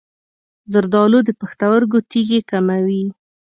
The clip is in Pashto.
زردآلو د پښتورګو تیږې کموي.